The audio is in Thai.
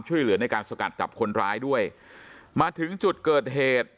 ช่วยเหลือในการสกัดจับคนร้ายด้วยมาถึงจุดเกิดเหตุ